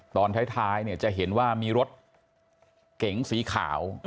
ตอนท้ายเนี่ยจะเห็นว่ามีรถเก๋งสีขาว